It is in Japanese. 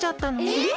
えっ！